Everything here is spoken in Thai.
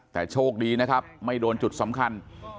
แต่โชคดีนะครับไม่โดนจุดสำคัญ